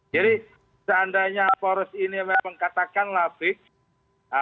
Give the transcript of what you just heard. jadi seandainya poros ini memang katakanlah fake